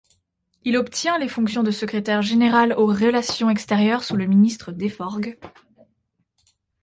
Il obtient les fonctions de secrétaire général aux Relations extérieures sous le ministre Deforgues.